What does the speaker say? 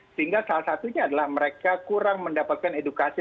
sehingga salah satunya adalah mereka kurang mendapatkan edukasi